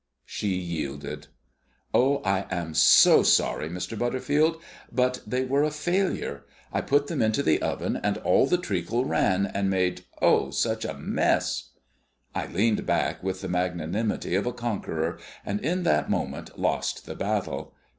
She yielded. "Oh, I am so sorry, Mr. Butterfield, but they were a failure. I put them into the oven, and all the treacle ran, and made, oh, such a mess!" I leaned back with the magnanimity of a conqueror, and in that moment lost the battle.